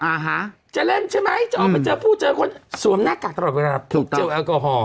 อ่าฮะจะเล่นใช่ไหมจะออกมาเจอผู้เจอคนสวมหน้ากากตลอดเวลาถูกเจลแอลกอฮอล